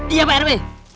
iya pak rw